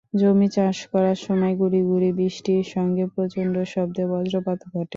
জমি চাষ করার সময় গুঁড়ি গুঁড়ি বৃষ্টির সঙ্গে প্রচণ্ড শব্দে বজ্রপাত ঘটে।